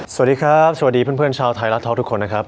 สวัสดีครับสวัสดีเพื่อนชาวไทยรัฐท็อกทุกคนนะครับ